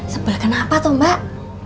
sebel kenapa tuh mbak